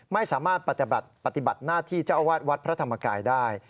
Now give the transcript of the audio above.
ไม่สามารถปฏิบัติหน้าที่เจ้าอาวาสวัดพระธรรมกายได้